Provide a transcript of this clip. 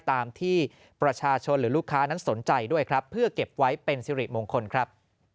ตามที่ประชาชนหรือลูกค้านั้นสนใจด้วยครับเพื่อเก็บไว้เป็นสิริมงคลครับ